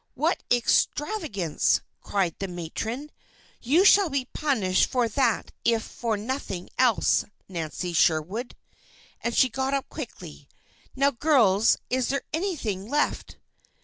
What extravagance!" cried the matron. "You shall be punished for that, if for nothing else, Nancy Sherwood," and she got up quickly. "Now, girls, is there anything left?"